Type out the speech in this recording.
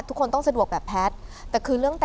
ทุกคนต้องสะดวกแบบแพทย์